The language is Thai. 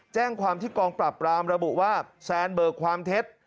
แจ้งความที่กองปราบปรามระบุว่าแซนเบิกความเท็จ